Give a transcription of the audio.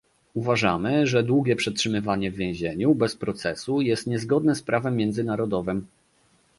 Uważamy, że długie przetrzymywanie w więzieniu bez procesu jest niezgodne z prawem międzynarodowym